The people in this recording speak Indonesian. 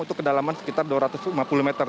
untuk kedalaman sekitar dua ratus lima puluh meter